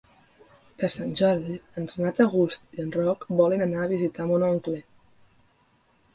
Per Sant Jordi en Renat August i en Roc volen anar a visitar mon oncle.